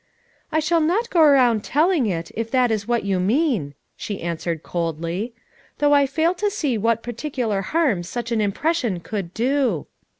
"I shall not go around telling it, if that is what you mean," she answered coldly. "Though I fail to see what particular harm such an impression could do."